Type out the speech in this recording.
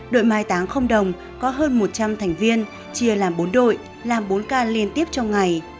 đội mai táng không đồng có hơn một trăm linh thành viên chia làm bốn đội làm bốn ca liên tiếp trong ngày